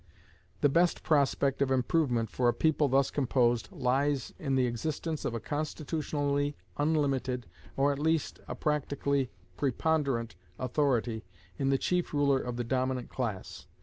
The best prospect of improvement for a people thus composed lies in the existence of a constitutionally unlimited, or at least a practically preponderant authority in the chief ruler of the dominant class.